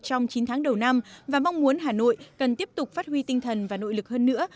trong chín tháng đầu năm và mong muốn hà nội cần tiếp tục phát huy tinh thần và nội lực hơn nữa